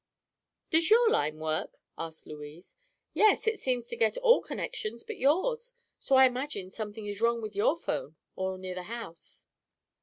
"Does your line work?" asked Louise. "Yes; it seems to get all connections but yours. So I imagine something is wrong with your phone, or near the house."